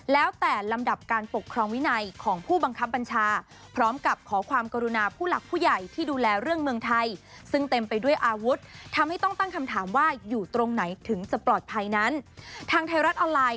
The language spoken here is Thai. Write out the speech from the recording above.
แล้วแต่ลำดับการปกครองวินัยของผู้บังคับบัญชาพร้อมกับขอความกรุณาผู้หลักผู้ใหญ่ที่ดูแลเรื่องเมืองไทย